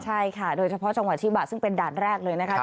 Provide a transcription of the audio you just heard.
ใช่ค่ะโดยเฉพาะจังหวะชิบะซึ่งเป็นด่านแรกเลยนะคะ